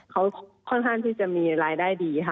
เขาค่อนข้างที่จะมีรายได้ดีค่ะ